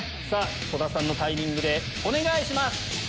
戸田さんのタイミングでお願いします！